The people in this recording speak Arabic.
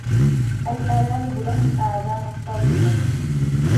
الأرانب لهم آذان طويلة.